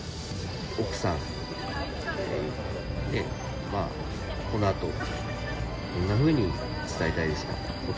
奥さんに、このあと、どんなふうに伝えたいですか。